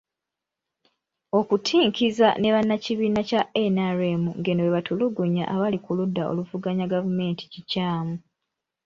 Okutinkiza ne bannakibiina kya NRM ng'eno bwe batulugunya abali ku ludda oluvuganya gavumenti kikyamu.